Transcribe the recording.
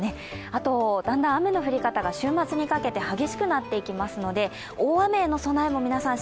あと、だんだん雨の降り方が、週末にかけて激しくなってきますので大雨の備えも皆さん